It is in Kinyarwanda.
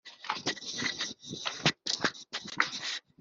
James yabonye akazi keza